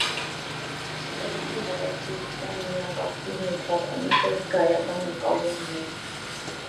Գիտելիքի հավաստիության միակ աղբյուրն ու չափանիշը զգայական ընկալումն է։